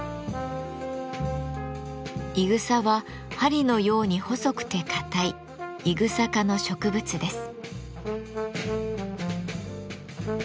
いぐさは針のように細くて硬いイグサ科の植物です。